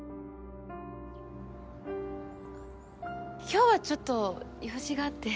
今日はちょっと用事があって。